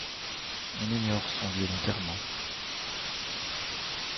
On ignore son lieu d'enterrement.